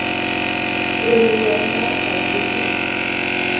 Riwruok mar ajwoke.